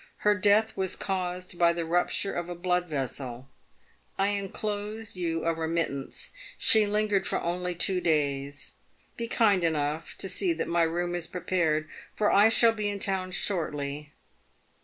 Her death was caused by the rupture of a blood vessel. I enclose you a remittance. PAVED WITH GOLD. 331 She lingered for only two days. Be kind enough to see that my room is prepared, for I shall be in town shortly.